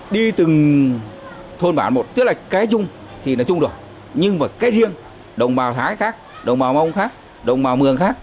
đi từng thôn bản một tức là cái chung thì nói chung được nhưng mà cái riêng đồng bào thái khác đồng bào mông khác đồng bào mường khác